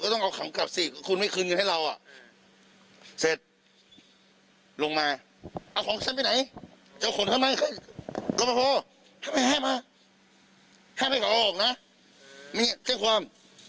ทำไมแห้งมาแห้งไปก็เอาออกนะเนี่ยเต้นความ